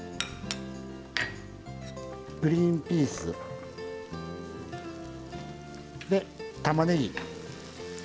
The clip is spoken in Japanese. グリンピース。でたまねぎ。